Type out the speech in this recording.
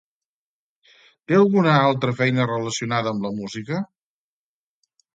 Té alguna altra feina relacionada amb la música?